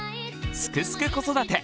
「すくすく子育て」